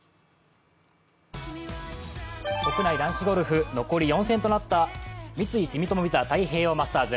国内男子ゴルフ、残り４戦となった三井住友ＶＩＳＡ太平洋マスターズ。